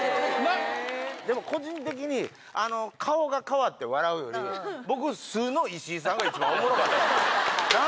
でも個人的に顔が変わって笑うより僕素の石井さんが一番おもろかった。